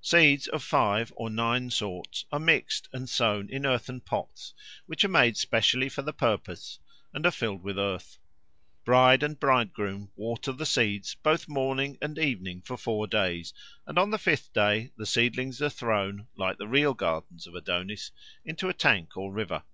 Seeds of five or nine sorts are mixed and sown in earthen pots, which are made specially for the purpose and are filled with earth. Bride and bridegroom water the seeds both morning and evening for four days; and on the fifth day the seedlings are thrown, like the real gardens of Adonis, into a tank or river.